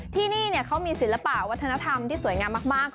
ที่นี่เขามีศิลปะวัฒนธรรมที่สวยงามมาก